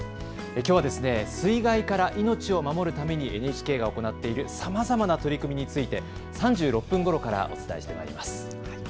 今日は、水害から命を守るためにＮＨＫが行っているさまざまな取り組みについて３６分ごろからお伝えしてまいります。